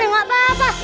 ya gak apa apa